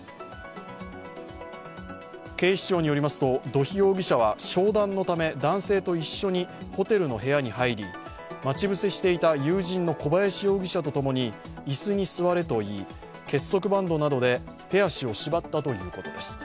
警視庁によりますと、土肥容疑者は商談のため男性と一緒にホテルの部屋に入り、待ち伏せしていた友人の小林容疑者とともに椅子に座れと言い、結束バンドなどで手足を縛ったということです。